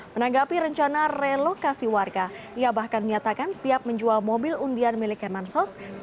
menanggapi rencana relokasi warga ia bahkan menyatakan siap menjual mobil undian milik kemensos